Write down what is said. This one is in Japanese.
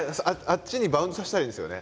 あっちにバウンドさせたらいいんですよね。